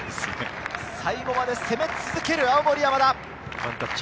最後まで攻め続ける青森山田。